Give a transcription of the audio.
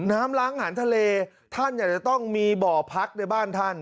น้ำล้างอาหารทะเลท่านอยากจะต้องมีบ่อพักในบ้านท่าน